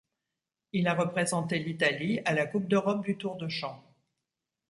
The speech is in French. Il a représenté l'Italie à la Coupe d'Europe du tour de chant.